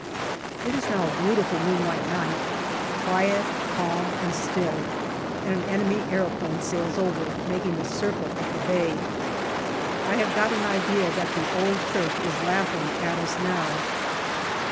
It is now a beautiful moonlight night, quiet, calm, and still, and an enemy aeroplane sails over, making a circle of the bay. I have got an idea that the old Turk is laughing at us now.